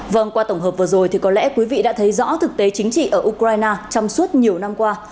vâng qua tổng hợp vừa rồi thì có lẽ quý vị đã thấy rõ thực tế chính trị ở ukraine trong suốt nhiều năm qua